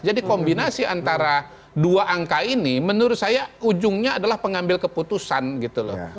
jadi kombinasi antara dua angka ini menurut saya ujungnya adalah pengambil keputusan gitu loh